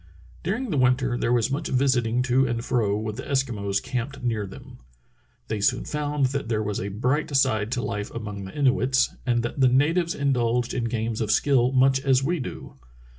* During the winter there was much visiting to and fro with the Eskimos camped near them. They soon found that there was a bright side to life among the Inuits, and that the natives indulged in games of skill much as we do.